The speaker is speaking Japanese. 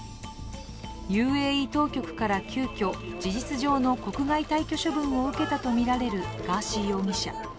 ＵＡＥ当局から、急きょ事実上の国外退去処分を受けたとみられるガーシー容疑者。